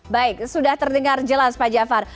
baik sudah terdengar jelas pak jafar